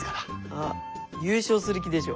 あっ優勝する気でしょ。